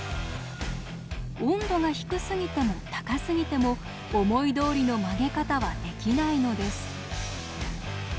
温度が低すぎても高すぎても思いどおりの曲げ方はできないのです。